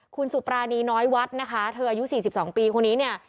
คุณสุปรานีน้อยวัดนะคะเธออายุ๔๒ปีคนนี้เนี่ย